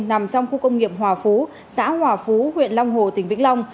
nằm trong khu công nghiệp hòa phú xã hòa phú huyện long hồ tỉnh vĩnh long